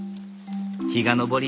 日が昇り